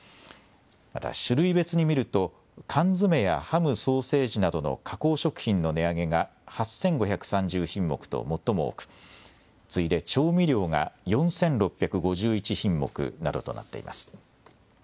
また種類別に見ると缶詰やハム・ソーセージなどの加工食品の値上げが８５３０品目と最も多く次いで調味料が４６５１品目などとなっています。